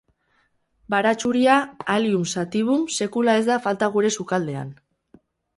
Baratxuria, Allium sativum, sekula ez da falta gure sukaldean.